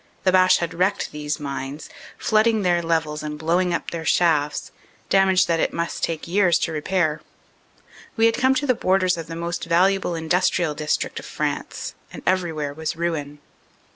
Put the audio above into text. The Boche had wrecked these mines, flooding their levels and blowing up their shafts, damage that it must take years to repair. We had come to the borders of the most valuable industrial dis trict of France, and everywhere was ruin.